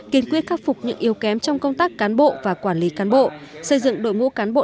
kiên quyết khắc phục những yếu kém trong công tác cán bộ và quản lý cán bộ xây dựng đội ngũ cán bộ